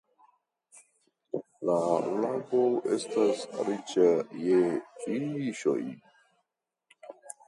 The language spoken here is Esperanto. La lago estas riĉa je fiŝoj.